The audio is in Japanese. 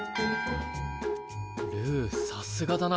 ルーさすがだな。